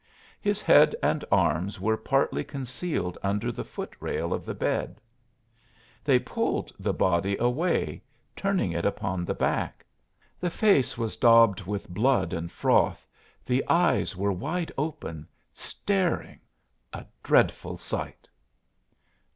His head and arms were partly concealed under the foot rail of the bed. They pulled the body away, turning it upon the back. The face was daubed with blood and froth, the eyes were wide open, staring a dreadful sight!